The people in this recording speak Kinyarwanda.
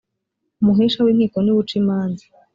umuhesha winkiko niwe ucimanza.